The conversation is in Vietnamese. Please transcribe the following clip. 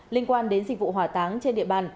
liên quan đến dịch vụ hỏa táng trên địa bàn